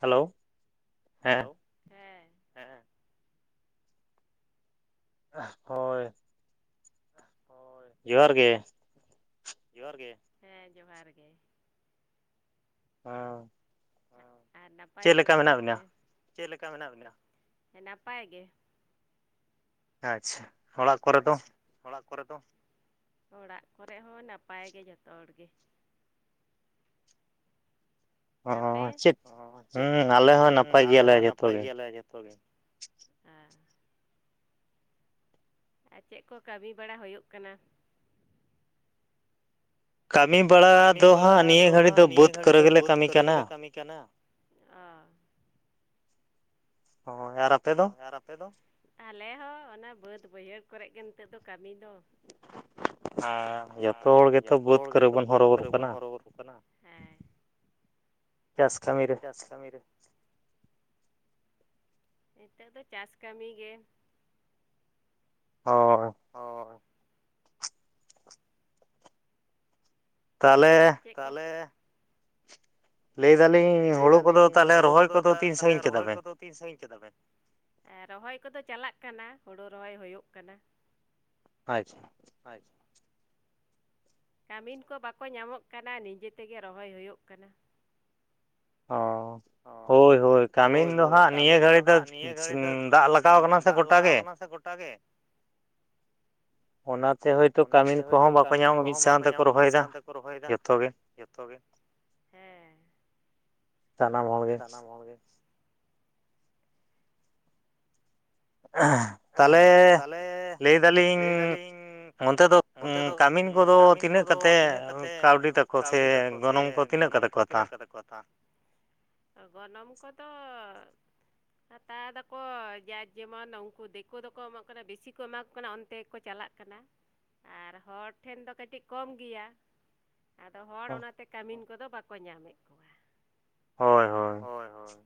Hello hello ᱦᱮᱸ ᱦᱮᱸ ᱦᱚᱸ ᱦᱮ ᱡᱚᱸᱦᱟᱨ ᱜᱮ ᱡᱚᱸᱦᱟᱨ ᱜᱮ ᱦᱮᱸ ᱡᱚᱸᱦᱟᱨ ᱜᱮ ᱦᱮ ᱟᱨ ᱱᱟᱯᱟᱭ ᱵᱟᱲᱟ ᱜᱮᱭᱟ ᱯᱮ ᱪᱮᱫ ᱞᱮᱠᱟ ᱢᱮᱱᱟᱜ ᱵᱮᱱᱟ ᱱᱟᱯᱟᱭ ᱜᱮ ᱟᱪᱪᱷᱟ ᱟᱪᱪᱷᱟ ᱚᱲᱟᱜ ᱠᱚᱨᱮ ᱫᱚ ᱚᱲᱟᱜ ᱠᱚᱨᱮ ᱦᱚᱸ ᱱᱟᱯᱟᱭ ᱜᱮ ᱡᱷᱚᱛᱚ ᱦᱚᱲ ᱜᱮ ᱟᱯᱮ ᱪᱮᱫ ᱦᱮᱸ ᱟᱞᱮ ᱦᱚᱸ ᱱᱟᱯᱟᱭ ᱜᱮᱭᱟᱞᱮ ᱡᱚᱛᱚ ᱜᱮ ᱦᱮᱸ ᱟᱨ ᱪᱮᱫ ᱠᱚ ᱠᱟᱹᱢᱤ ᱵᱟᱲᱟ ᱦᱩᱭᱩᱜ ᱠᱟᱱᱟ ᱠᱟᱹᱢᱤ ᱵᱟᱲᱟ ᱠᱟᱹᱢᱤ ᱵᱟᱲᱟ ᱫᱚ ᱦᱟᱸᱜ ᱱᱤᱭᱟᱹ ᱜᱷᱟᱹᱲᱤᱡ ᱫᱚ ᱵᱟᱹᱫᱽ ᱠᱚᱨᱮ ᱜᱮᱞᱮ ᱠᱟᱹᱢᱤ ᱠᱟᱱᱟ ᱦᱚᱭ ᱟᱨ ᱦᱚᱭ ᱟᱨ ᱟᱯᱮ ᱫᱚ ᱟᱞᱮ ᱦᱚᱸ ᱚᱱᱟ ᱵᱟᱹᱫᱽ ᱵᱟᱹᱭᱦᱟᱹᱲ ᱠᱚᱨᱮᱫ ᱜᱮ ᱱᱤᱛᱚᱜ ᱫᱚ ᱠᱟᱹᱢᱤ ᱫᱚ ᱦᱮᱸ ᱡᱚᱛᱚ ᱦᱚᱲ ᱜᱮᱛᱚ ᱵᱟᱹᱫᱽ ᱠᱚᱨᱮ ᱵᱚᱱ ᱦᱚᱨᱚ ᱵᱚᱨᱚ ᱠᱟᱱᱟ ᱪᱟᱥ ᱠᱟᱹᱢᱤ ᱨᱮ ᱠᱟᱢᱤ ᱨᱮ ᱱᱤᱛᱚᱜ ᱫᱚ ᱪᱟᱥ ᱠᱟᱹᱢᱤ ᱜᱮ ᱦᱳᱭ ᱦᱳᱭ ᱟᱨ ᱪᱮᱫ ᱛᱟᱦᱚᱞᱮ ᱞᱟᱹᱭ ᱫᱟᱞᱤᱧ ᱞᱟᱹᱭ ᱫᱟᱞᱤᱧ ᱦᱩᱲᱩ ᱠᱚᱫᱚ ᱛᱟᱦᱚᱞᱮ ᱨᱚᱦᱚᱭ ᱠᱚᱫᱚ ᱛᱤᱱ ᱥᱟᱺᱜᱤᱧ ᱠᱮᱫᱟ ᱵᱮᱱ ᱮ ᱨᱚᱦᱚᱭ ᱠᱚᱫᱚ ᱪᱟᱞᱟᱜ ᱠᱟᱱᱟ ᱦᱳᱲᱳ ᱨᱚᱦᱚᱭ ᱦᱩᱭᱩᱜ ᱠᱟᱱᱟ ᱟᱪᱪᱷᱟ ᱾ [inaudible] ᱠᱟᱹᱢᱤᱱ ᱠᱚ ᱵᱟᱠᱚ ᱧᱟᱢᱚᱜ ᱠᱟᱱᱟ ᱱᱤᱡᱮ ᱛᱮᱜᱮ ᱨᱚᱦᱚᱭ ᱦᱳᱭᱳᱜ ᱠᱟᱱᱟ ᱾ ᱚᱻ ᱦᱳᱭ, ᱦᱳᱭ ᱾ ᱠᱟᱹᱢᱤᱱ ᱫᱚ ᱦᱟᱸᱜ ᱱᱤᱭᱟᱹ ᱜᱷᱟᱹᱲᱤ ᱫᱚ ᱫᱟᱜ ᱞᱟᱜᱟᱣ ᱠᱟᱱᱟ ᱥᱮ ᱜᱚᱴᱟ ᱜᱮ ᱴᱟᱜᱮ ᱾ ᱚᱱᱟᱛᱮ ᱦᱳᱭ ᱚᱱᱟᱛᱮ ᱦᱳᱭᱛᱳ ᱠᱟᱹᱢᱤᱱ ᱠᱚᱦᱚᱸ ᱵᱟᱠᱚ ᱧᱟᱢᱚᱜ ᱢᱤᱫ ᱥᱟᱶ ᱛᱮᱠᱚ ᱨᱚᱦᱚᱭᱫᱟ ᱾ ᱡᱚᱛᱚ ᱜᱮ, ᱦᱮᱸ ᱾ ᱥᱟᱱᱟᱢ ᱦᱚᱲ ᱜᱮ ᱾ ᱦᱚᱲ ᱜᱮ ᱾ [unintelligible] [unintelligible] ᱛᱟᱦᱚᱞᱮ ᱞᱮᱭ ᱫᱟᱞᱤᱧ ᱚᱱᱛᱮ ᱫᱚ ᱠᱟᱹᱢᱤ ᱤᱱ ᱠᱚᱫᱚ ᱛᱤᱱᱟᱹᱜ ᱠᱟᱛᱮᱜ ᱠᱟᱹᱣᱰᱤ ᱛᱟᱠᱚ ᱥᱮ ᱜᱚᱱᱚᱝ ᱠᱚ ᱛᱤᱱᱟᱹᱜ ᱠᱟᱛᱮ ᱠᱚ ᱦᱟᱛᱟᱣᱟ? [unintelligible] ᱜᱚᱱᱚᱢ ᱠᱚᱫᱚ ᱦᱟᱛᱟᱣ ᱫᱟᱠᱚ ᱡᱟᱨ ᱡᱮᱢᱚᱱ ᱩᱱ ᱩᱱᱠᱩ ᱫᱮᱠᱳ ᱫᱚᱠᱚ ᱮᱢᱚᱜ ᱠᱟᱱᱟ ᱵᱮᱥᱤ ᱠᱚ ᱮᱢᱟ ᱠᱚ ᱠᱟᱱᱟ ᱚᱱᱛᱮ ᱜᱮᱠᱚ ᱪᱟᱞᱟᱜ ᱠᱟᱱᱟ ᱾ ᱟᱨ ᱦᱚᱲ ᱴᱷᱮᱱ ᱫᱚ ᱠᱟᱹᱴᱤᱡ ᱠᱚᱢ ᱜᱮᱭᱟ ᱾ ᱟᱫᱚ ᱦᱚᱲ ᱚᱱᱟᱛᱮ ᱠᱟᱹᱢᱤᱱ ᱠᱚᱫᱚ ᱵᱟᱠᱚ ᱧᱟᱢᱮᱜ ᱠᱚᱣᱟ ᱾ ᱦᱳᱭ, ᱦᱳᱭ ᱾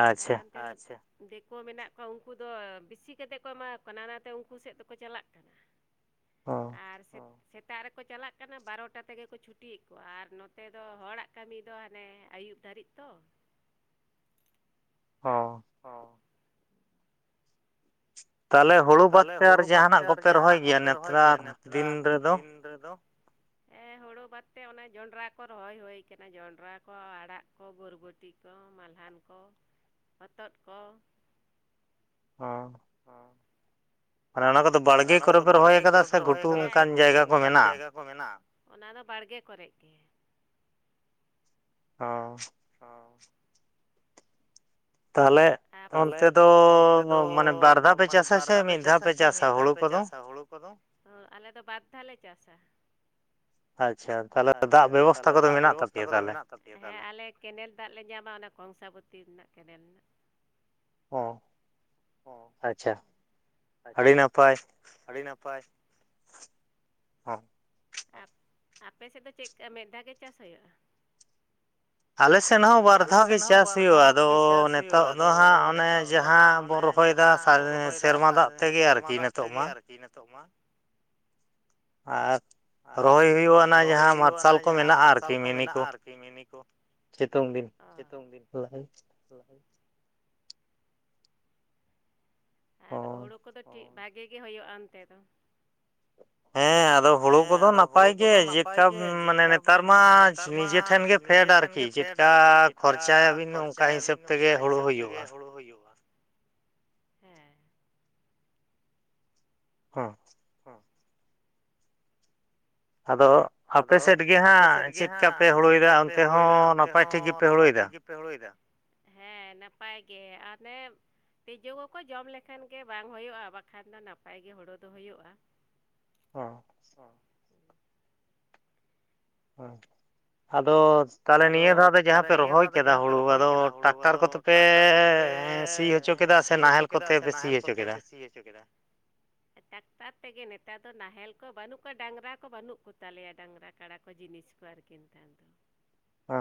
ᱟᱪᱪᱷᱟ ᱾ ᱟᱪᱷᱟ, ᱫᱮᱠᱳ ᱢᱮᱱᱟᱜ ᱠᱚᱣᱟ ᱩᱝᱠᱩ ᱫᱚ ᱵᱤᱥᱤ ᱠᱟᱛᱮᱜ ᱠᱚ ᱮᱢᱟ ᱠᱚ ᱠᱟᱱᱟ, ᱚᱱᱟᱛᱮ ᱩᱱᱝᱠᱩ ᱥᱮᱫ ᱫᱚᱠᱚ ᱪᱟᱞᱟᱜ ᱠᱟᱱᱟ ᱾ ᱟᱨ ᱥᱮ ᱥᱮᱛᱟᱜ ᱨᱮᱠᱚ ᱪᱟᱞᱟᱜ ᱠᱟᱱᱟ ᱵᱟᱨᱚᱴᱟ ᱛᱮᱜᱮ ᱠᱚ ᱪᱷᱩᱴᱤᱭᱮᱜ ᱠᱚᱣᱟ, ᱟᱨ ᱱᱚᱛᱮ ᱫᱚ ᱦᱚᱲᱟᱜ ᱠᱟᱹᱢᱤ ᱫᱚ ᱦᱟᱱᱮ ᱟᱹᱭᱩᱵ ᱫᱷᱟᱹᱨᱤᱡ ᱛᱚ ᱾ ᱦᱚᱸ ᱾ ᱛᱟᱦᱚᱞᱮ ᱦᱳᱲᱳ ᱵᱟᱫ ᱛᱮ ᱟᱨ ᱡᱟᱦᱟᱱᱟᱜ ᱠᱚᱯᱮ ᱨᱚᱦᱚᱭ ᱜᱮᱭᱟ ᱱᱮᱛᱟᱨ ᱫᱤᱱ ᱨᱮᱫᱚ? [unintelligible] ᱦᱳᱲᱳ ᱵᱟᱫᱛᱮ ᱚᱱᱟ ᱡᱚᱸᱰᱨᱟ ᱠᱚ ᱨᱚᱦᱚᱭ ᱦᱳᱭ ᱠᱟᱱᱟ, ᱡᱚᱸᱰᱨᱟ ᱠᱚ ᱟᱲᱟᱜ ᱠᱚ ᱵᱚᱨᱵᱚᱴᱤ ᱠᱚ ᱢᱟᱞᱦᱟᱱ ᱠᱚ ᱦᱚᱛᱚᱫ ᱠᱚ ᱾ ᱦᱚᱸ ᱾ ᱦᱚᱸ ᱾ ᱢᱟᱱᱮ ᱚᱱᱟ ᱠᱚᱫᱚ ᱵᱟᱲᱜᱮ ᱠᱚᱨᱮ ᱯᱮ ᱨᱚᱦᱚᱭ ᱠᱟᱫᱟ ᱥᱮ ᱜᱷᱩᱴᱩ ᱚᱝᱠᱟᱱ ᱡᱟᱭᱜᱟ ᱠᱚ ᱢᱮᱱᱟᱜᱼᱟ? ᱠᱚ ᱢᱮᱱᱟᱜᱼᱟ? ᱚᱱᱟ ᱫᱚ ᱵᱟᱲᱜᱮ ᱠᱚᱨᱮᱜ ᱜᱮ ᱾ ᱚᱸᱻ ᱾ ᱛᱟᱦᱚᱞᱮ ᱛᱟᱦᱚᱞᱮ ᱚᱱᱛᱮ ᱫᱚ ᱢᱟᱱᱮ ᱵᱟᱨ ᱫᱷᱟᱣ ᱯᱮ ᱪᱟᱥᱟ ᱥᱮ ᱢᱤᱫ ᱫᱷᱟᱣ ᱯᱮ ᱪᱟᱥᱟ ᱦᱳᱲᱳ ᱠᱚᱫᱚ? ᱚᱸ ᱟᱞᱮ ᱫᱚ ᱵᱟᱨ ᱫᱷᱟᱣ ᱞᱮ ᱪᱟᱥᱟ ᱾ ᱟᱪᱪᱷᱟ, ᱛᱟ ᱟᱪᱪᱷᱟ, ᱛᱟᱦᱚᱞᱮ ᱫᱟᱜ ᱵᱮᱵᱚᱥᱛᱷᱟ ᱠᱚᱫᱚ ᱢᱮᱱᱟᱜ ᱛᱟᱯ ᱦᱮᱸ ᱟᱞᱮ ᱠᱮᱱᱮᱞ ᱫᱟᱜ ᱞᱮ ᱧᱟᱢᱟ ᱚᱱᱟ ᱠᱚᱝᱥᱟᱵᱚᱛᱤ ᱨᱮᱱᱟᱜ ᱠᱮᱱᱮᱞ ᱨᱮᱱᱟᱜ ᱾ ᱚ, ᱟᱪᱪᱷᱟ, ᱟᱹᱰᱤ ᱱᱟᱯᱟᱭ ᱾ ᱟᱹᱰᱤ ᱱᱟᱯᱟᱭ ᱾ [unintelligible] ᱟᱯ ᱟᱯᱮ ᱥᱮᱫ ᱫᱚ ᱪᱮᱜᱠᱟ ᱢᱮᱜ ᱫᱷᱟᱣ ᱜᱮ ᱪᱟᱥ ᱦᱳᱭᱳᱜᱼᱟ? ᱟᱞᱮ ᱥᱮᱱ ᱦᱚᱸ ᱵᱟᱨ ᱫᱷᱟᱣ ᱜᱮ ᱪᱟᱥ ᱦᱳᱭᱳᱜᱼᱟ, ᱟᱫᱚ ᱱᱮᱛᱳᱜ ᱫᱚ ᱦᱟᱸᱜ ᱚᱱᱮ ᱡᱟᱦᱟᱸ ᱵᱚᱱ ᱨᱚᱦᱚᱭᱮᱫᱟ ᱥᱟᱨ-ᱥᱮᱨᱢᱟ ᱫᱟᱜ ᱛᱮᱜᱮ ᱟᱨᱠᱤ ᱱᱮᱛᱚᱜ ᱢᱟ ᱾ ᱟᱨ ᱨᱚᱦᱚᱭ ᱦᱳᱭᱳᱜᱼᱟ ᱚᱱᱟ ᱡᱟᱦᱟᱸ ᱢᱟᱨᱥᱟᱞ ᱠᱚ ᱢᱮᱱᱟᱜᱼᱟ ᱟᱨᱠᱤ ᱢᱤᱱᱤ ᱠᱚ ᱥᱤᱛᱩᱝ ᱫᱤᱱ ᱾ [unintelligible] [unintelligible] ᱟᱨ ᱦᱳᱲᱳ ᱠᱚᱫᱚ ᱴᱷᱤᱠ ᱵᱷᱟᱜᱮ ᱜᱮ ᱦᱳᱭᱳᱜᱼᱟ ᱚᱱᱛᱮ ᱫᱚ? ᱦᱮᱸ! ᱟᱫᱚ ᱦᱩᱲᱩ ᱠᱚᱫᱚ ᱱᱟᱯᱟᱭ ᱜᱮ ᱪᱮᱫᱠᱟ ᱢᱟᱱᱮ ᱱᱮᱛᱟᱨ ᱢᱟ ᱱᱤᱡᱮᱴᱷᱮᱱ ᱜᱮ ᱯᱷᱮᱰ ᱟᱨᱠᱤ ᱾ ᱪᱮᱫᱠᱟ ᱠᱷᱚᱨᱪᱟᱭᱟᱵᱤᱱ ᱚᱝᱠᱟ ᱦᱤᱥᱟᱹᱵ ᱛᱮᱜᱮ ᱦᱩᱲᱩ ᱦᱩᱭᱩᱜᱼᱟ ᱾ ᱦᱮᱸ ᱾ ᱦᱚᱸ ᱾ ᱦᱚᱸ ᱾ ᱟᱫᱚ ᱟᱯᱮ ᱥᱮᱫ ᱜᱮ ᱦᱟᱸᱜ ᱪᱮᱫᱠᱟ ᱯᱮ ᱦᱩᱲᱩ ᱤᱨᱟ ᱚᱱᱛᱮ ᱦᱚᱸ ᱱᱟᱯᱟᱭ ᱴᱷᱤᱠ ᱜᱮᱯᱮ ᱦᱩᱲᱩᱭᱮᱫᱟ? ᱯᱮ ᱦᱚᱲᱚᱭᱮᱫᱟ? ᱦᱮᱸ ᱱᱟᱯᱟᱭ ᱜᱮ ᱟᱞᱮ ᱛᱤᱡᱩ ᱠᱚᱠᱚ ᱡᱚᱢ ᱞᱮᱠᱷᱟᱱ ᱜᱮ ᱵᱟᱝ ᱦᱳᱭᱳᱜᱼᱟ ᱵᱟᱠᱷᱟᱱ ᱫᱚ ᱱᱟᱯᱟᱭ ᱜᱮ ᱦᱳᱲᱳ ᱫᱚ ᱦᱩᱭᱩᱜᱼᱟ ᱾ ᱦᱚ ᱾ ᱦᱚ, ᱟᱫᱚ ᱛᱟᱦᱚᱞᱮ ᱱᱤᱭᱟᱹ ᱫᱷᱟᱣ ᱡᱟᱦᱟᱸ ᱯᱮ ᱨᱚᱦᱚᱭ ᱠᱮᱫᱟ ᱦᱩᱲᱩ ᱟᱫᱚ ᱴᱟᱠᱴᱟᱨ ᱠᱚᱛᱮ ᱴᱟᱠᱴᱟᱨ ᱠᱚᱛᱮ ᱯᱮᱻ ᱦᱮᱸ ᱥᱤ ᱦᱚᱪᱚ ᱠᱮᱫᱟ ᱥᱮ ᱱᱟᱦᱮᱞ ᱠᱚᱛᱮ ᱯᱮ ᱥᱤ ᱦᱚᱪᱚ ᱠᱮᱫᱟ? ᱴᱟᱠᱴᱟᱨ ᱛᱮᱜᱮ ᱱᱮᱛᱟᱨ ᱫᱚ ᱱᱟᱦᱮᱞ ᱠᱚ ᱵᱟᱹᱱᱩᱜ ᱠᱚᱣᱟ ᱰᱟᱝᱨᱟ ᱠᱚ ᱵᱟᱹᱱᱩᱜ ᱠᱚᱛᱟᱞᱮᱭᱟ ᱰᱟᱝᱨᱟ ᱠᱟᱲᱟ ᱠᱚ ᱡᱤᱱᱤᱥ ᱠᱚ ᱟᱨᱠᱤ ᱱᱮᱛᱟᱨ ᱫᱚ ᱾ ᱚ ᱾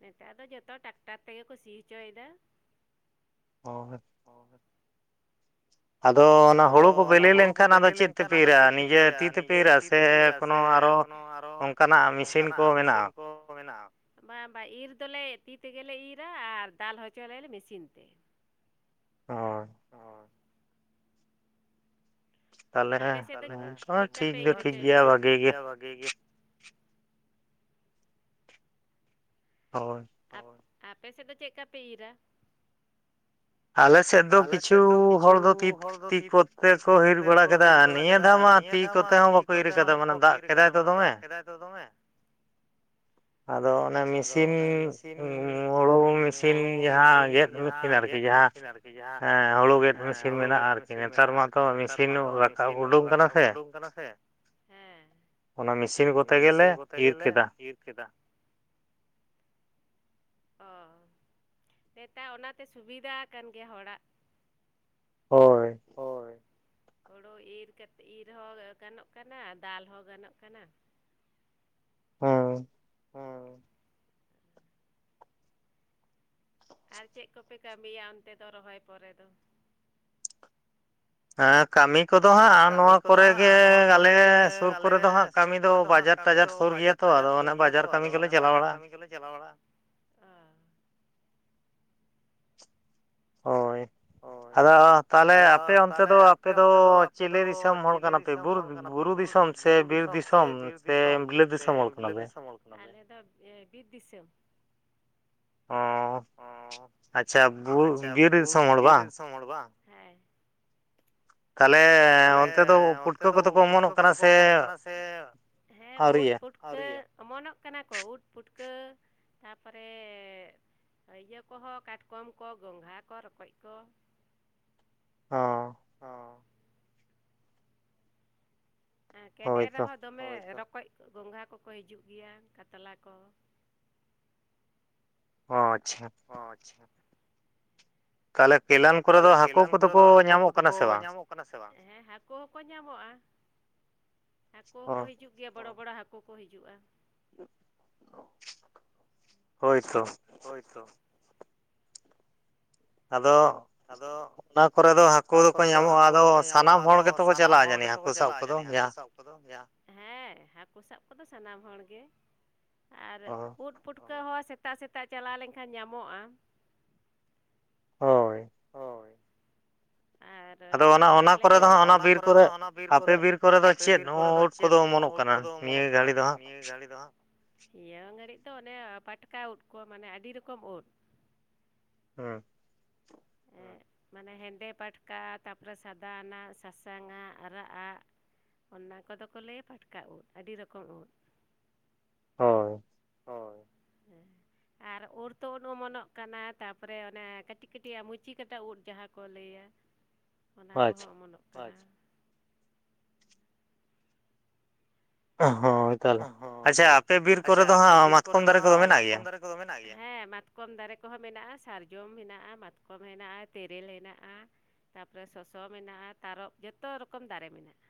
ᱱᱮᱛᱟᱨ ᱫᱚ ᱡᱚᱛᱚ ᱴᱟᱠᱴᱟᱨ ᱛᱮᱜᱮ ᱠᱚ ᱥᱤ ᱪᱚᱭᱮᱫᱟ ᱾ ᱟᱫᱚ ᱚᱱᱟ ᱦᱩᱲᱩ ᱠᱚ ᱵᱮᱞᱮ ᱞᱮᱝᱠᱷᱟᱱ ᱟᱫᱚ ᱪᱮᱫ ᱛᱮ ᱯᱮ ᱤᱨᱟ ᱱᱤᱡᱮ ᱛᱤ ᱛᱮᱯᱮ ᱤᱨᱟ ᱥᱮ ᱠᱳᱱᱳ ᱟᱨᱚ ᱚᱝᱠᱟᱱᱟᱜ ᱢᱮᱥᱤᱱ ᱠᱚ ᱢᱮᱱᱟᱜᱼᱟ? ᱵᱟᱝ ᱵᱟᱝ ᱤᱨ ᱫᱚᱞᱮ ᱛᱤ ᱛᱮᱜᱮᱞᱮ ᱤᱨᱟ ᱟᱨ ᱫᱟᱞ ᱦᱚᱪᱚᱭᱟᱞᱮ ᱢᱮᱥᱤᱱ ᱛᱮ ᱾ ᱦᱳᱭ ᱾ ᱟᱯᱮ ᱥᱮᱫ ᱫᱚ ᱪᱤᱠᱟ ᱯᱮ ᱤᱨ ᱦᱳᱪᱚᱭᱟ ᱴᱷᱤᱠ ᱫᱚ ᱴᱷᱤᱠ ᱜᱮᱭᱟ ᱵᱷᱟᱜᱮ ᱜᱮ‌᱾ ᱦᱳᱭ ᱾ ᱟᱯ-ᱟᱯᱮ ᱥᱮᱫ ᱫᱚ ᱪᱮᱜ ᱠᱟ ᱯᱮ ᱤᱨᱟ? ᱟᱞᱮ ᱥᱮᱫ ᱫᱚ ᱠᱤᱪᱷᱩ ᱦᱚᱲ ᱫᱚ ᱛᱤ ᱛᱤ ᱠᱚᱛᱮ ᱠᱚ ᱤᱨ ᱵᱟᱲᱟ ᱠᱮᱫᱟ, ᱱᱤᱭᱟᱹ ᱫᱷᱟᱣ ᱢᱟ ᱛᱤ ᱠᱚᱛᱮ ᱦᱚᱸ ᱵᱟ ᱠᱚ ᱤᱨ ᱟᱠᱟᱫᱟ ᱢᱟᱱᱮ ᱫᱟᱜ ᱠᱮᱫᱟᱭ ᱛᱚ ᱫᱚᱢᱮ ᱾ ᱟᱫᱚ ᱚᱱᱟ ᱢᱮᱥᱤᱱ ᱦᱳᱲᱳ ᱢᱮᱥᱤᱱ ᱡᱟᱦᱟᱸ ᱜᱮᱫ ᱠᱮᱫᱟ ᱟᱨᱠᱤ ᱾ ᱠᱤ ᱡᱟᱦᱟᱸ ᱦᱮᱸ ᱦᱳᱲᱳ ᱜᱮᱫ ᱢᱮᱥᱤᱱ ᱢᱮᱱᱟᱜᱼᱟ ᱟᱨᱠᱤ ᱱᱮᱛᱟᱨ ᱢᱟᱛᱚ ᱢᱮᱥᱤᱱ ᱦᱚᱸ ᱞᱟ ᱤᱥᱤᱱᱚᱜ ᱨᱟᱠᱟᱵ ᱩᱰᱚᱝ ᱠᱟᱱᱟ ᱥᱮ! ᱦᱮᱸ ᱾ ᱚᱱᱟ ᱢᱮᱥᱤᱱ ᱠᱚᱛᱮ ᱜᱮᱞᱮ ᱤᱨ ᱠᱮᱫᱟ ᱾ ᱠᱮᱫᱟ ᱾ ᱚ, ᱱᱮᱛᱟ ᱚᱱᱟᱛᱮ ᱥᱩᱵᱤᱫᱟ ᱟᱠᱟᱱ ᱜᱮᱭᱟ ᱦᱚᱲᱟᱜ ᱾ ᱦᱳᱭ ᱾ ᱦᱳᱲᱳ ᱤᱨ ᱠᱟᱛᱮ ᱤᱨ ᱦᱚᱸ ᱜᱟᱱᱚᱜ ᱠᱟᱱᱟ ᱫᱟᱞ ᱦᱚᱸ ᱜᱟᱱᱚᱜ ᱠᱟᱱᱟ ᱾ ᱦᱮᱸ ᱾ ᱦᱮᱸ ᱾ ᱟᱨ ᱪᱮᱫ ᱠᱚᱯᱮ ᱠᱟᱹᱢᱤᱭᱟ ᱚᱱᱛᱮ ᱫᱚ ᱨᱚᱦᱚᱭ ᱯᱚᱨᱮ ᱫᱚ? ᱦᱮᱸ ᱠᱟᱹᱢᱤ ᱠᱚᱫᱚ ᱦᱟᱸᱜ ᱟᱨ ᱱᱚᱭᱟ ᱠᱚᱨᱮ ᱜᱮ ᱟᱞᱮ ᱥᱩᱨ ᱠᱚᱨᱮ ᱫᱚ ᱦᱟᱸᱜ ᱠᱟᱹᱢᱤ ᱫᱚ ᱵᱟᱡᱟᱨ ᱴᱟᱡᱟᱨ ᱥᱳᱨ ᱜᱮᱭᱟ ᱛᱚ ᱟᱫᱚ ᱚᱱᱟ ᱵᱟᱡᱟᱨ ᱠᱟᱹᱢᱤ ᱜᱮᱞᱮ ᱪᱟᱞᱟᱣ ᱵᱟᱲᱟᱜᱼᱟ ᱾ ᱦᱳᱭ᱾ [unintelligible] ᱟᱫᱚ ᱛᱟᱦᱚᱞᱮ ᱟᱯᱮ ᱚᱱᱛᱮ ᱫᱚ ᱟᱯᱮ ᱫᱚ ᱪᱤᱞᱮ ᱫᱤᱥᱚᱢ ᱦᱚᱲ ᱠᱟᱱᱟᱯᱮ, ᱵᱩᱨᱩ ᱵᱩᱨᱩ ᱫᱤᱥᱚᱢ ᱥᱮ ᱵᱤᱨ ᱫᱤᱥᱚᱢ ᱥᱮ ᱵᱤᱞᱟᱹᱛ ᱫᱤᱥᱚᱢ ᱦᱚᱲ ᱠᱟᱱᱟ ᱯᱮ? ᱟᱞᱮ ᱫᱚ ᱵᱤᱨ ᱫᱤᱥᱚᱢ᱾ ᱚ ᱟᱪᱪᱷᱟ ᱵᱤᱨ ᱫᱤᱥᱚᱢ ᱦᱚᱲ ᱵᱟᱝ? ᱫᱤᱥᱚᱢ ᱦᱚᱲ ᱵᱟᱝ? ᱦᱮᱸ᱾ ᱛᱟᱦᱚᱞᱮ ᱚᱱᱛᱮ ᱫᱚ ᱯᱩᱴᱠᱟᱹ ᱠᱚᱫᱚ ᱠᱚ ᱚᱢᱚᱱᱚᱜ ᱠᱟᱱᱟ ᱥᱮᱸ? ᱦᱮ ᱩᱴ ᱯᱩᱴ ᱚᱢᱚᱱᱚᱜ ᱠᱟᱱᱟ ᱠᱚ ᱩᱴ ᱯᱩᱴᱠᱟᱹ ᱛᱟᱨᱯᱚᱨᱮ ᱤᱭᱟᱹ ᱠᱚᱦᱚᱸ ᱠᱟᱴᱠᱚᱢ ᱠᱚ ᱜᱚᱝᱜᱷᱟ ᱠᱚ ᱨᱚᱠᱚᱡ ᱠᱚ ᱦᱚᱸ᱾ ᱦᱮᱸ ᱠᱮᱱᱮᱞ ᱨᱮᱦᱚᱸ ᱫᱚᱢᱮ ᱨᱚᱠᱚᱡ ᱜᱚᱝᱜᱷᱟ ᱠᱚᱠᱚ ᱦᱤᱡᱩᱜ ᱜᱮᱭᱟ ᱠᱟᱛᱞᱟ ᱠᱚ᱾ ᱚ ᱟᱪᱪᱷᱟ᱾ ᱚ ᱟᱪᱪᱷᱟ᱾ ᱛᱟᱦᱞᱮ [unintelligible] ᱛᱟᱦᱞᱮ ᱠᱮᱱᱟᱱ ᱠᱚᱨᱮ ᱫᱚ ᱦᱟᱹᱠᱩ ᱠᱚᱫᱚ ᱠᱚ ᱧᱟᱢᱚᱜ ᱦᱤᱡᱩᱜ ᱠᱟᱱᱟ ᱥᱮ ᱵᱟᱝ? ᱦᱮᱸ ᱦᱟᱹᱠᱩ ᱦᱚᱸᱠᱚ ᱧᱟᱢᱚᱜᱼᱟ, ᱦᱟᱹᱠᱩ ᱦᱚᱸᱠᱚ ᱦᱤᱡᱩᱜ ᱜᱮᱭᱟ ᱵᱚᱲᱚ ᱵᱚᱲᱚ ᱦᱟᱹᱠᱩ ᱠᱚ ᱦᱤᱡᱩᱜᱼᱟ᱾ ᱦᱳᱭᱛᱚ᱾ ᱦᱳᱭᱛᱳ᱾ ᱟᱫᱚ ᱟᱫᱚ ᱚᱱᱟ ᱠᱚᱨᱮ ᱫᱚ ᱦᱟᱹᱠᱩ ᱫᱚᱠᱚ ᱧᱟᱢᱚᱜᱼᱟ, ᱟᱫᱚ ᱥᱟᱱᱟᱢ ᱦᱚᱲ ᱜᱮᱛᱚ ᱠᱚ ᱪᱟᱞᱟᱜᱼᱟ ᱡᱟᱹᱱᱤᱡ ᱦᱟᱹᱠᱩ ᱥᱟᱵ? ᱠᱚ ᱫᱚ ᱦᱮᱸ ᱦᱟᱹᱠᱩ ᱥᱟᱵ ᱠᱚᱫᱚ ᱥᱟᱱᱟᱢ ᱦᱚᱲ ᱜᱮ, ᱟᱨ ᱩᱫ ᱯᱩᱴᱠᱟᱹ ᱦᱚᱸ ᱥᱮᱛᱟᱜ ᱥᱮᱛᱟᱜ ᱪᱟᱞᱟᱣ ᱞᱮᱱᱠᱷᱟᱱ ᱧᱟᱢᱚᱜᱼᱟ᱾ ᱦᱳᱭ᱾ ᱟᱨ ᱵᱮᱲᱟ ᱞᱮᱱ ᱠᱷᱟᱱ, ᱟᱫᱚ ᱚᱱᱟ ᱚᱱᱟ ᱫᱚ ᱦᱟᱸᱜ ᱚᱱᱟ ᱵᱤᱨ ᱠᱚᱨᱮ ᱟᱯᱮ ᱵᱤᱨ ᱠᱚᱨᱮ ᱫᱚ ᱪᱮᱫ ᱳᱫ ᱠᱚᱫᱚ ᱚᱢᱚᱱᱚᱜ ᱠᱟᱱᱟ ᱱᱤᱭᱟᱹ ᱜᱷᱟᱹᱲᱤ ᱫᱚ ᱦᱟᱸᱜ? ᱤᱭᱟᱹ ᱜᱷᱲᱤᱡ ᱫᱚ ᱚᱱᱮ ᱯᱟᱴᱠᱟ ᱩᱫ ᱠᱚ ᱢᱟᱱᱮ ᱟᱹᱰᱤ ᱨᱚᱠᱚᱢ ᱩᱫ᱾ ᱦᱩᱸ᱾ ᱢᱟᱱᱮ ᱦᱮᱸᱫᱮ ᱯᱟᱴᱠᱟ ᱛᱟᱨᱯᱚᱨᱮ ᱥᱟᱫᱟ ᱟᱱᱟᱜ, ᱥᱟᱥᱟᱝᱟᱜ ᱟᱨᱟᱜᱼ ᱟᱜ᱾ ᱚᱱᱟ ᱠᱚᱫᱚ ᱠᱚ ᱞᱟᱹᱭᱟ ᱯᱟᱴᱠᱟ ᱩᱫ ᱟᱹᱰᱤ ᱨᱚᱠᱚᱢ ᱩᱫ᱾ ᱦᱳᱭ᱾ ᱦᱳᱭ, ᱟᱨ ᱚᱨᱛᱚᱜ ᱚᱢᱚᱱᱚᱜ ᱠᱟᱱᱟ ᱛᱟᱯᱚᱨᱮ ᱚᱱᱮ ᱠᱟᱹᱴᱤᱡ ᱠᱟᱹᱴᱤᱡ ᱯᱮᱭᱟ ᱢᱩᱪᱤ ᱠᱟᱴᱟ ᱩᱫ ᱡᱟᱦᱟᱸ ᱠᱚ ᱞᱟᱹᱭᱟ ᱚᱱᱟ ᱠᱚᱦᱚᱸ ᱚᱢᱚᱱᱚᱜ ᱠᱟᱱᱟ᱾ ᱦᱳᱭ ᱛᱟᱦᱚᱞᱮ ᱟᱪᱪᱷᱟ ᱟᱯᱮ ᱵᱤᱨ ᱠᱚᱨᱮ ᱫᱚ ᱦᱟᱸᱜ ᱢᱟᱛᱠᱚᱢ ᱫᱟᱨᱮ ᱠᱚᱫᱚ ᱢᱮᱱᱟᱜ ᱜᱮᱭᱟ? ᱠᱚᱫᱚ ᱢᱮᱱᱟᱜ ᱜᱮᱭᱟ? ᱦᱮᱸ ᱢᱟᱛᱠᱚᱢ ᱠᱚᱦᱚᱸ ᱢᱮᱱᱟᱜᱼᱟ, ᱥᱟᱨᱡᱚᱢ ᱦᱮᱱᱟᱜ-ᱟ, ᱢᱟᱛᱠᱚᱢ ᱦᱮᱱᱟᱜᱼᱟ ᱛᱮᱨᱮᱞ ᱦᱮᱱᱟᱜᱼᱟ᱾ ᱛᱟᱯᱚᱨᱮ ᱥᱚᱥᱚ ᱢᱮᱱᱟᱜᱼᱟ ᱛᱟᱨᱚᱯ ᱡᱚᱛᱚ ᱨᱚᱠᱚᱢ ᱫᱟᱨᱮ ᱢᱮᱱᱟᱜᱼᱟ᱾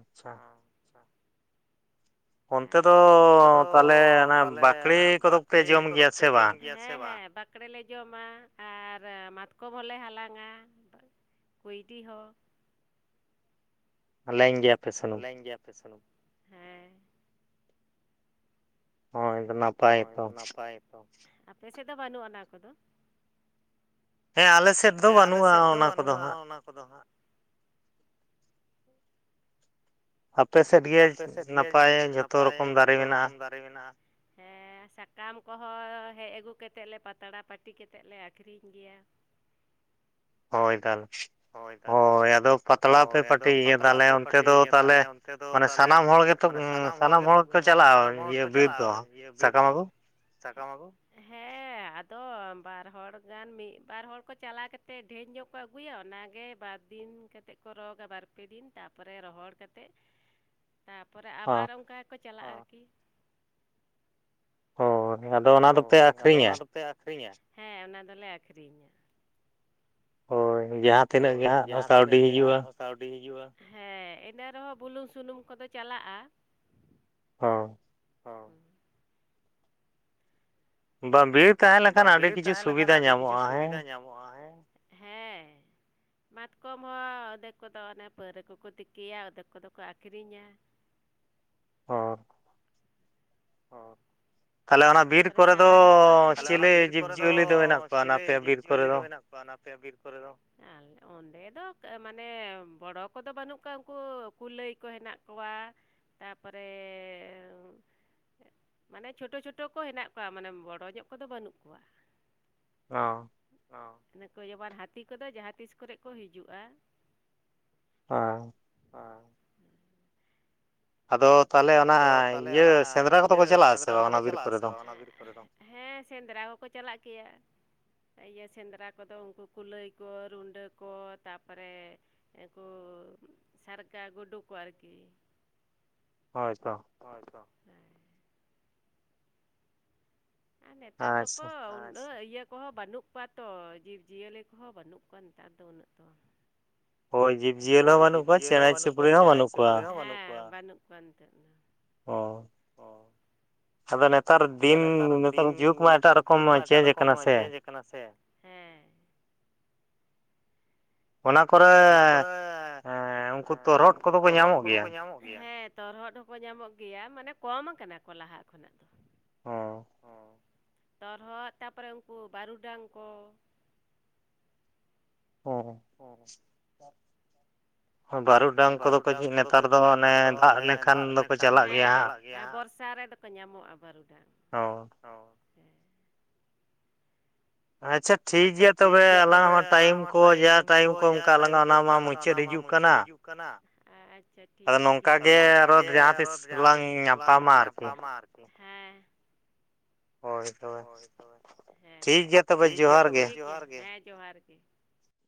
[unintelligible] ᱟᱨ ᱚᱱᱛᱮ ᱫᱚ ᱛᱟᱦᱚᱞᱮ ᱚᱱᱟ ᱵᱟᱠᱲᱮ ᱠᱚᱫᱚ ᱯᱮ ᱡᱚᱢ ᱜᱮᱭᱟ ᱥᱮ ᱵᱟᱝ? ᱦᱮᱸ ᱦᱮᱸ ᱵᱟᱠᱲᱮᱞᱮ ᱡᱚᱢᱟ ᱟᱨ ᱢᱟᱛᱠᱚᱢ ᱦᱚᱞᱮ ᱦᱟᱞᱟᱝᱼᱟ᱾ ᱠᱩᱭᱰᱤ ᱦᱚᱸ᱾ [unintelligible] ᱜᱮᱭᱟ [unintelligible] ᱜᱮᱭᱟᱯᱮ ᱥᱩᱱᱩᱢ? ᱦᱮᱸ᱾ ᱦᱳᱭ ᱟᱫᱚ ᱱᱟᱯ ᱦᱳᱭ ᱱᱟᱯᱟᱭ ᱛᱚ᱾ ᱟᱯᱮ ᱥᱮᱫ ᱫᱚ ᱵᱟᱹᱱᱩᱜᱼᱟ ᱚᱱᱟ ᱠᱚᱫᱚ? ᱦᱮᱸ ᱟᱞᱮ ᱥᱮᱫ ᱫᱚ ᱵᱟᱹᱱᱩᱜᱼᱟ ᱚᱱᱟ ᱠᱚᱫᱚ ᱦᱟᱸᱜ᱾ ᱟᱯᱮ ᱥᱮᱫ ᱜᱮ ᱟᱯᱮ ᱥᱮᱫ ᱜᱮ ᱱᱟᱯᱟᱭ ᱡᱷᱚᱛᱚ ᱨᱚᱠᱚᱢ ᱫᱟᱨᱮ ᱢᱮᱱᱟᱜᱼᱟ᱾ ᱦᱮᱸ ᱥᱟᱠᱟᱢ ᱠᱚᱦᱚᱸ ᱦᱮᱡ ᱟᱹᱜᱩ ᱠᱟᱛᱮᱫ ᱞᱮ ᱯᱟᱛᱲᱟ ᱯᱟᱹᱴᱤ ᱠᱟᱛᱮᱫ ᱞᱮ ᱟᱠᱷᱨᱤᱧ ᱜᱮᱭᱟ᱾ ᱦᱳᱭ ᱛᱟᱦᱚᱞᱮ᱾ ᱦᱳᱭ ᱛᱟᱦᱚᱞᱮ᱾ ᱦᱳᱭ ᱟᱫᱚ ᱯᱟᱛᱲᱟ ᱯᱮ ᱯᱟᱹᱴᱤ ᱜᱮᱭᱟᱹ ᱛᱟᱦᱞᱮ ᱚᱱᱛᱮ ᱫᱚ ᱛᱟᱦᱞᱮ ᱢᱟᱱᱮ ᱥᱟᱱᱟᱢ ᱦᱚᱲ ᱜᱮᱛᱚ ᱩᱸ ᱥᱟᱱᱟᱢ ᱦᱚᱲ ᱜᱮᱠᱚ ᱪᱟᱞᱟᱜᱼᱟ ᱤᱭᱟᱹ ᱵᱤᱨ ᱫᱚ, ᱥᱟᱠᱟᱢ ᱟᱹᱜᱩ? ᱦᱮᱸ ᱟᱫᱚ ᱵᱟᱨ ᱦᱚᱲ ᱜᱟᱱ ᱢᱤᱫ ᱵᱟᱨ ᱦᱚᱲ ᱠᱚ ᱪᱟᱞᱟᱣ ᱠᱟᱛᱮᱜ ᱰᱷᱮᱨ ᱧᱚᱜ ᱠᱚ ᱟᱹᱜᱩᱭᱟ᱾ ᱚᱱᱟ ᱜᱮ ᱵᱟᱨ ᱫᱤᱱ ᱠᱟᱛᱮᱫ ᱠᱚ ᱨᱚᱜᱟ ᱵᱟᱨ ᱯᱮ ᱫᱤᱱ ᱛᱟᱯᱚᱨᱮ ᱨᱚᱦᱚᱲ ᱠᱟᱛᱮᱫ ᱛᱟᱯᱚᱨᱮ ᱟᱵᱟᱨ ᱚᱱᱠᱟ ᱜᱮᱠᱚ ᱪᱟᱞᱟᱜᱼᱟ ᱟᱨᱠᱤ᱾ ᱦᱳᱭ ᱟᱫᱚ ᱚᱱᱟ ᱫᱚᱯᱮ ᱟᱠᱠᱷᱨᱤᱧᱟ? ᱯᱮ ᱟᱹᱠᱷᱨᱤᱧᱟ? ᱦᱮᱸ ᱚᱱᱟ ᱫᱚᱞᱮ ᱟᱹᱠᱷᱨᱤᱧᱟ᱾ ᱦᱳᱭ ᱡᱟᱦᱟᱸ ᱛᱤᱱᱟᱹᱜ ᱜᱮ ᱦᱟᱸᱜ ᱠᱟᱹᱣᱰᱤ ᱦᱤᱡᱩᱜᱼᱟ᱾ ᱠᱟᱹᱣᱰᱤ ᱦᱤᱡᱩᱜᱼᱟ᱾ ᱦᱮᱸ ᱤᱱᱟᱹ ᱨᱮᱦᱚᱸ ᱵᱩᱞᱩᱝ ᱥᱩᱱᱩᱢ ᱠᱚᱫᱚ ᱪᱟᱞᱟᱜᱼᱟ᱾ ᱦᱚᱸ᱾ ᱦᱚᱸ᱾ ᱵᱟᱝ ᱵᱤᱨ ᱛᱟᱦᱮ ᱵᱟᱝ ᱵᱤᱨ ᱛᱟᱦᱮᱸ ᱞᱮᱠᱷᱟᱱ ᱟᱹᱰᱤ ᱠᱤᱪᱷᱩ ᱥᱩᱵᱤᱫᱷᱟ ᱧᱟᱢᱚᱜᱼᱟ ᱦᱮᱸ? ᱦᱮᱸ᱾ ᱢᱟᱛᱠᱚᱢ ᱦᱚᱸ ᱚᱫᱮᱠ ᱠᱚᱫᱚ ᱦᱟᱱᱮ ᱯᱟᱹᱣᱨᱟᱹ ᱠᱚᱠᱚ ᱛᱤᱠᱤᱭᱟ ᱚᱫᱮᱠ ᱠᱚᱫᱚ ᱠᱚ ᱟᱠᱷᱨᱤᱧᱟ᱾ ᱚ᱾ ᱚ᱾ ᱛᱟᱯᱚᱨᱮ ᱥᱟᱦᱟᱱ ᱦᱚᱸᱠᱚ ᱟᱹᱠᱷᱨᱤᱧᱟ᱾ ᱛᱟᱞᱦᱮ ᱚᱱᱟ ᱵᱤᱨ ᱠᱚᱨᱮ ᱫᱚ ᱪᱮᱞᱮ ᱡᱤᱵᱽ ᱡᱤᱭᱟᱹᱞᱤ ᱫᱚ ᱢᱮᱱᱟᱜ ᱠᱚᱣᱟ ᱚᱱᱟ ᱟᱯᱮᱭᱟᱜ ᱵᱤᱨ ᱠᱚᱨᱮ ᱫᱚ? ᱚᱸᱰᱮ ᱫᱚ ᱠᱟ ᱢᱟᱱᱮ ᱵᱚᱲᱚ ᱠᱚᱫᱚ ᱵᱟᱹᱱᱩᱜ ᱠᱚᱣᱟ ᱩᱱᱠᱩ ᱠᱩᱞᱟᱹᱭ ᱠᱚ ᱦᱮᱱᱟᱜ ᱠᱚᱣᱟ, ᱛᱟᱯᱚᱨᱮ ᱢᱟᱱᱮ ᱪᱳᱴᱳ ᱪᱷᱳᱴ ᱴᱳ ᱠᱚ ᱦᱮᱱᱟᱜ ᱠᱚᱣᱟ ᱢᱟᱱᱮ ᱵᱚᱲᱚ ᱧᱚᱜ ᱠᱚᱫᱚ ᱵᱟᱹᱱᱩᱜ ᱠᱚᱣᱟ᱾ ᱚ᱾ ᱚ᱾ ᱤᱱᱟᱹ ᱠᱚ ᱡᱮᱢᱚᱱ ᱦᱟᱹᱛᱤ ᱠᱚᱫᱚ ᱡᱟᱦᱟᱸ ᱛᱤᱥ ᱠᱚᱨᱮᱜ ᱠᱚ ᱦᱤᱡᱩᱜᱼᱟ᱾ ᱟ᱾ ᱟ᱾ ᱟᱫᱚ ᱛᱟᱦᱞᱮ ᱟᱫᱚ ᱛᱟᱦᱚᱞᱮ ᱚᱱᱟ ᱤᱭᱟᱹ ᱥᱮᱸᱫᱽᱨᱟ ᱠᱚᱫᱚ ᱠᱚ ᱪᱟᱞᱟᱜ-ᱟ ᱥᱮ ᱵᱟᱝ ᱚᱱᱟ ᱵᱤᱨ ᱠᱚᱨᱮ ᱫᱚ? ᱦᱮᱸ ᱥᱮᱸᱫᱽᱨᱟ ᱠᱚᱠᱚ ᱪᱟᱞᱟᱜ ᱜᱮᱭᱟ᱾ ᱤᱭᱟᱹ ᱥᱮᱸᱫᱽᱨᱟ ᱠᱚᱫᱚ ᱩᱱᱠᱩ ᱠᱩᱞᱟᱹᱭ ᱠᱚ ᱨᱩᱰᱟᱹ ᱠᱚ ᱛᱟᱯᱚᱨᱮ ᱮᱠᱩ ᱥᱟᱨᱜᱟ ᱜᱩᱰᱩ ᱠᱚ ᱟᱨᱠᱤ᱾ ᱦᱳᱭ ᱛᱚ᱾ ᱦᱳᱭ ᱛᱚ ᱦᱳᱭ᱾ ᱟᱨ ᱱᱮᱛᱟᱨ ᱫᱚᱠᱚ ᱩᱱᱟᱹᱜ ᱤᱭᱟᱹ ᱠᱚᱦᱚᱸ ᱵᱟᱹᱱᱩᱜ ᱠᱚᱣᱟ ᱛᱚ ᱡᱤᱵᱽ ᱡᱤᱭᱟᱹᱞᱤ ᱠᱚᱦᱚᱸ ᱵᱟᱹᱱᱩᱜ ᱠᱚᱣᱟ ᱱᱮᱛᱟᱨ ᱫᱚ ᱩᱱᱟᱹᱜ ᱫᱚ᱾ ᱦᱳᱭ ᱡᱤᱵ ᱦᱳᱭ ᱡᱤᱵᱽ ᱡᱤᱭᱟᱹᱞ ᱦᱚᱸ ᱵᱟᱹᱱᱩᱜ ᱠᱚᱣᱟ ᱪᱮᱬᱮ ᱪᱤᱯᱲᱤ ᱦᱚᱸ ᱵᱟᱹᱱᱩᱜ ᱠᱚᱣᱟ᱾ ᱵᱟᱹᱱᱩᱜ ᱠᱚᱣᱟ ᱱᱤᱛᱚᱜ ᱫᱚ᱾ ᱚ᱾ ᱟᱫᱚ ᱱᱮᱛᱟᱨ ᱫᱤᱱ ᱱᱮᱛᱟᱨ ᱡᱩᱜᱽ ᱢᱟ ᱮᱴᱟᱜ ᱨᱚᱠᱚᱢ ᱱᱚᱣᱟ ᱪᱮᱧᱡ ᱠᱟᱱᱟ ᱥᱮ, ᱦᱮᱸ᱾ ᱚᱱᱟ ᱠᱚᱨᱮ ᱚᱱᱟ ᱠᱚᱨᱮ ᱮᱸ ᱩᱱᱠᱩ ᱛᱚᱨᱦᱚᱫ ᱠᱚᱫᱚ ᱠᱚ ᱧᱟᱢᱚᱜ ᱜᱮᱭᱟ? ᱦᱮᱸ ᱾ ᱛᱚᱨᱦᱚᱫ ᱦᱚᱸᱠᱚ ᱧᱟᱢᱚᱜ ᱜᱮᱭᱟ ᱢᱟᱱᱮ ᱠᱚᱢ ᱟᱠᱟᱱᱟ ᱠᱚ ᱞᱟᱦᱟ ᱠᱷᱚᱱᱟᱜ ᱫᱚ ᱾ ᱦᱚᱸ, ᱛᱚᱨᱦᱚᱫ ᱛᱟᱯᱚᱨᱮ ᱩᱱᱠᱩ ᱵᱟᱹᱨᱩᱰᱟᱝ ᱠᱚ᱾ ᱦᱮᱸ ᱾ ᱦᱮᱸ ᱾ ᱵᱟᱹᱨᱩᱜᱰᱟᱝ ᱠᱚᱫᱚ ᱠᱚ ᱯᱟᱪᱮᱫ ᱱᱮᱛᱟᱨ ᱫᱚ ᱚᱱᱮ ᱫᱟᱜ ᱞᱮᱱᱠᱷᱟᱱ ᱫᱚᱠᱚ ᱪᱟᱞᱟᱜ ᱜᱮᱭᱟ᱾ ᱦᱮᱸ ᱵᱚᱨᱥᱟ ᱨᱮ ᱠᱚ ᱧᱟᱢᱚᱜ-ᱟ ᱵᱟᱨᱩᱰᱟᱝ᱾ ᱚ ᱾ ᱚ ᱾ ᱟᱪᱪᱷᱟ ᱴᱷᱤᱠ ᱜᱮᱭᱟ ᱛᱚᱵᱮ ᱟᱞᱟᱝᱟᱜ ᱢᱟ ᱴᱟᱭᱤᱢ ᱠᱚ ᱡᱟ ᱴᱟᱭᱤᱢ ᱠᱚ ᱮᱢ ᱠᱟᱜ ᱞᱟᱝᱟ ᱚᱱᱟ ᱢᱟ ᱢᱩᱪᱟᱹᱫ ᱦᱤᱡᱩᱜ ᱠᱟᱱᱟ ᱟᱪᱪᱷᱟ ᱴᱷᱤᱠ ᱜᱮᱭᱟ ᱾ ᱱᱚᱝᱠᱟ ᱜᱮ ᱟᱨᱚ ᱡᱟᱦᱟᱸ ᱛᱤᱥ ᱞᱟᱝ ᱧᱟᱯᱟᱢᱟ ᱟᱨᱠᱤ᱾ ᱦᱮᱸ ᱾ ᱦᱳᱭ ᱾ ᱦᱳᱭ ᱛᱚᱵᱮ ᱦᱮᱸ ᱴᱷᱤᱠ ᱜᱮᱭᱟ ᱛᱚᱵᱮ ᱡᱚᱦᱟᱨ ᱜᱮ ᱦᱮ ᱡᱚᱦᱟᱨ ᱜᱮ ᱾